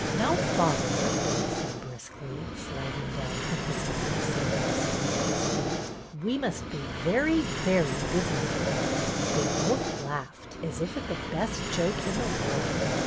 '' Now, father," Betty said briskly, sliding IN THE STUDY 263 down from his knee and sitting on a stool at his feet, '' we must be very, very business like/' They both laughed as if at the best joke in the world.